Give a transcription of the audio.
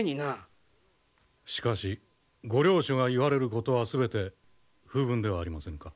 しかしご両所が言われることは全て風聞ではありませんか。